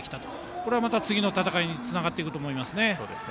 これはまた次の戦いにつながると思いますね。